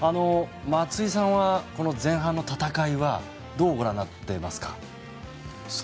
松井さんはこの前半の戦いはどうご覧になっていますか？